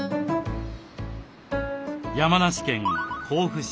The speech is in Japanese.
山梨県甲府市。